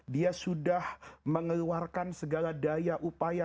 dia sudah mengeluarkan segala daya upaya